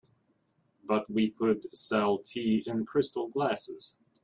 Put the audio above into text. But we could sell tea in crystal glasses.